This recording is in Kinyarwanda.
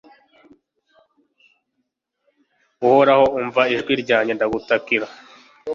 Uhoraho umva ijwi ryanjye ndagutakira